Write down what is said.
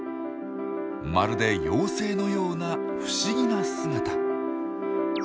まるで妖精のような不思議な姿。